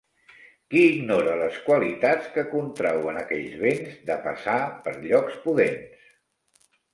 Qui ignora les qualitats que contrauen aquells vents, de passar per llocs pudents?